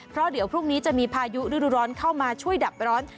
เพราะเดี๋ยวพรุ่งนี้จะมีพายุฤดูร้อนเข้ามาช่วยดับร้อน